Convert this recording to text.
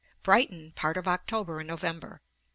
Brighton, part of October and November.